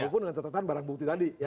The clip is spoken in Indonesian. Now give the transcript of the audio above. walaupun dengan catatan barang bukti tadi